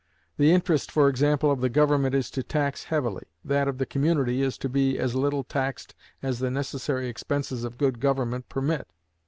The interest, for example, of the government is to tax heavily; that of the community is to be as little taxed as the necessary expenses of good government permit.